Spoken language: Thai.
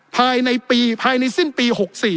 ภายในปีภายในสิ้นปี๖๔